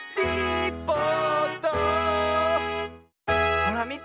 ほらみて。